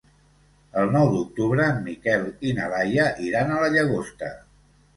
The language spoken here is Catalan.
El nou d'octubre en Miquel i na Laia iran a la Llagosta.